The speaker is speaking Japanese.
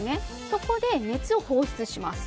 そこで熱を放出します。